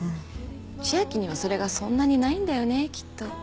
千明にはそれがそんなにないんだよねきっと。